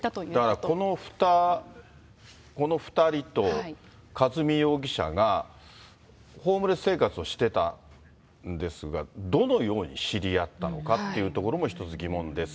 だからこの２人と和美容疑者が、ホームレス生活をしてたんですが、どのように知り合ったのかっていうところも、一つ疑問です。